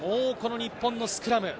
日本のスクラム。